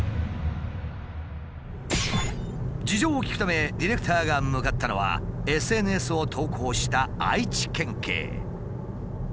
事情を聞くためディレクターが向かったのはＳＮＳを投稿した愛知県警。